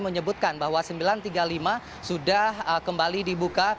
menyebutkan bahwa sembilan ratus tiga puluh lima sudah kembali dibuka